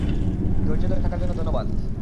ধৈর্য্য ধরে থাকার জন্য ধন্যবাদ।